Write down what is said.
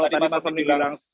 jadi kalau tadi mas roni bilang